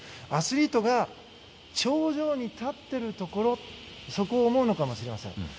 アスリートが頂上に立っているところそこを思うのかもしれません。